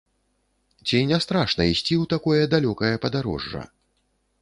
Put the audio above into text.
Ці не страшна ісці ў такое далёкае падарожжа?